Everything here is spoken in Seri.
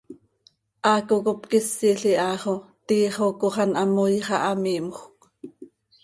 Haaco cop quisil iha xo tiix oo coox an hamoii xah hamiimjöc.